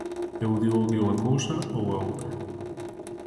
Eu digo que unha cousa ou a outra.